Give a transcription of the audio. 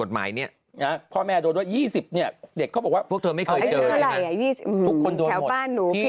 ใช่อะไรไอ้ที่แถวบ้านหนู